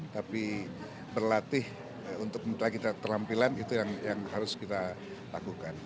tapi berlatih untuk memperbaiki keterampilan itu yang harus kita lakukan